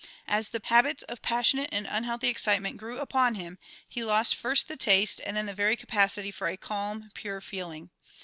As the habits of passionate and unhealthy excitement grew upon him he lost first the taste and then the very capacity for a calm, pure feeling.